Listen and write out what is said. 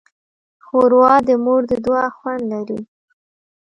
ښوروا د مور د دعا خوند لري.